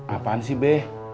apaan sih beh